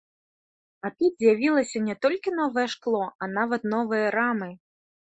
А тут з'явілася не толькі новае шкло, а нават новыя рамы!